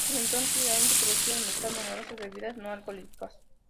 Desde entonces, se han introducido al mercado numerosas bebidas no-alcohólicas.